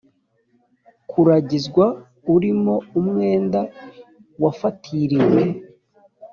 kuragizwa urimo umwenda wafatiriwe